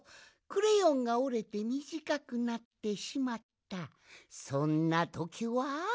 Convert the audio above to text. クレヨンがおれてみじかくなってしまったそんなときは。